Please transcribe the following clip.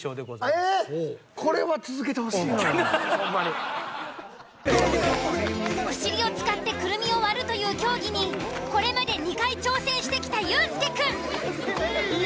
お尻を使ってクルミを割るという競技にこれまで２回挑戦してきたユースケくん。